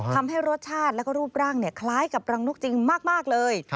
ทำให้รสชาติแล้วก็รูปร่างคล้ายกับรังนกจริงมากเลย